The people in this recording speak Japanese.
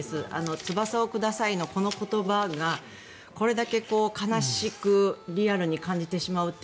「翼をください」のこの言葉がこれだけ悲しくリアルに感じてしまうって